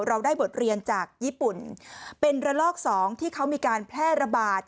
เราได้บทเรียนจากญี่ปุ่นเป็นระลอกสองที่เขามีการแพร่ระบาด